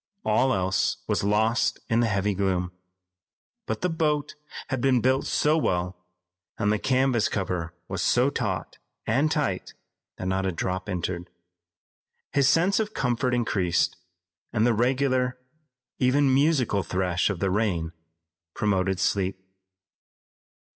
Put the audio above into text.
All else was lost in the heavy gloom. But the boat had been built so well and the canvas cover was so taut and tight that not a drop entered. His sense of comfort increased, and the regular, even, musical thresh of the rain promoted sleep.